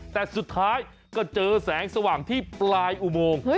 แต่สุดท้ายก็เจอแสงสว่างที่ปลายอุโมง